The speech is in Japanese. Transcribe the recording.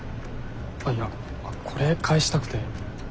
あっいやこれ返したくて。